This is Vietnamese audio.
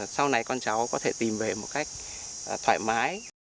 sau này con cháu có thể tìm về một cách thoải mái